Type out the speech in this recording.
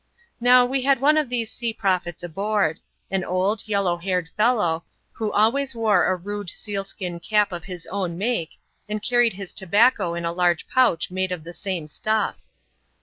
Now, we had one of these sea prophets aboard ; an old, yellow haired fellow, who always wore a rude seal skin cap of his own make, and carried his tobacco in a large pouch made of the same stuff.